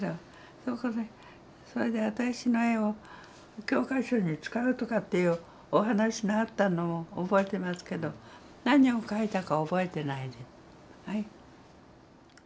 それで私の絵を教科書に使うとかっていうお話があったのを覚えてますけど何を描いたか覚えてないです。